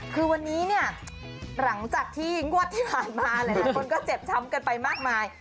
คือวันนี้เนี่ยหลังจากที่งวดที่ผ่านมาหลายคนก็เจ็บช้ำกันไปมากมาย